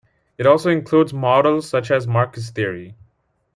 It also includes models such as Marcus theory.